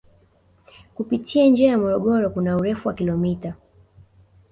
kupitia njia ya Morogoro kuna urefu wa kilomita